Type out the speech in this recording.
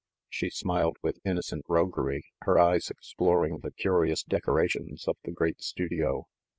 She smiled with innocent roguery, her eyes explor ing the curious decorations of the great studio.